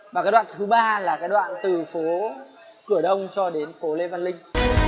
và cái đoạn thứ ba là cái đoạn từ phố cửa đông cho đến phố lê văn linh